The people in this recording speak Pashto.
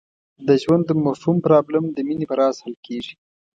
د ژوند د مفهوم پرابلم د مینې په راز حل کېږي.